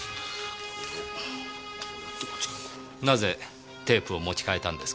なぜテープを持ち変えたんですか？